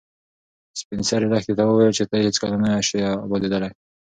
سپین سرې لښتې ته وویل چې ته هیڅکله نه شې ابادېدلی.